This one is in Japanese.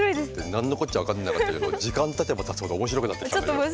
何のこっちゃ分かんなかったけど時間たてばたつほど面白くなってきたんだけど。